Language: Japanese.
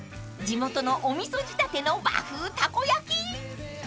［地元のお味噌仕立ての和風たこ焼き］